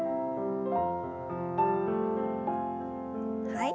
はい。